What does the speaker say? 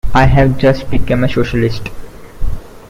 I've just become a socialist.